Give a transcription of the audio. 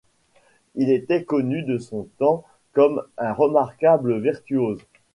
Il était connu de son temps comme un remarquable virtuose.